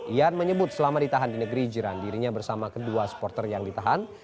ian menyebut selama ditahan di negeri jiran dirinya bersama kedua supporter yang ditahan